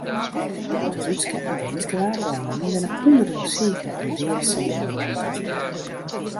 Op de Dútske en Deenske Waadeilannen binne hûnderten sike en deade seehûnen oantroffen.